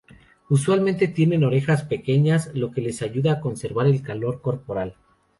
Usualmente tienen orejas pequeñas, lo que les ayuda a conservar el calor corporal.